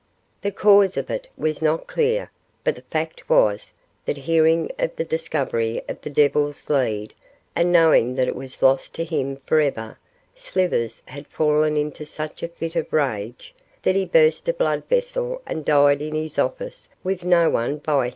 The cause of it was not clear, but the fact was, that hearing of the discovery of the Devil's Lead, and knowing that it was lost to him for ever, Slivers had fallen into such a fit of rage, that he burst a blood vessel and died in his office with no one by him.